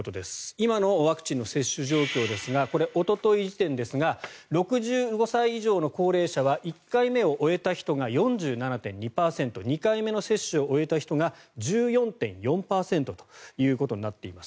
今のワクチンの接種状況ですがおととい時点ですが６５歳以上の高齢者は１回目を終えた人が４７．２％２回目の接種を終えた人が１４．４％ということになっています。